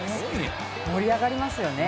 盛り上がりますよね。